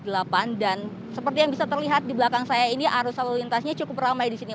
dan seperti yang bisa terlihat di belakang saya ini arus lalu lintasnya cukup ramai di sini